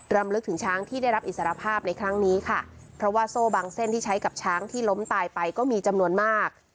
รำลึกถึงช้างที่ได้รับอิสรภาพในครั้งนี้ค่ะเพราะว่าโซ่บางเส้นที่ใช้กับช้างที่ล้มตายไปก็มีจำนวนมาก